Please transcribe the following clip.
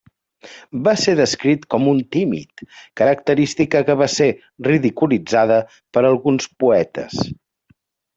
Va ser descrit com un tímid, característica que va ser ridiculitzada per alguns poetes.